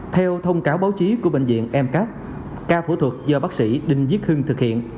theo thông cáo báo chí của bệnh viện mca phẫu thuật do bác sĩ đinh diết hưng thực hiện